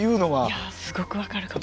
いやすごく分かるかも。